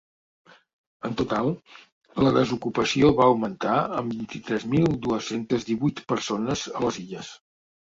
En total, la desocupació va augmentar en vint-i-tres mil dues-centes divuit persones a les Illes.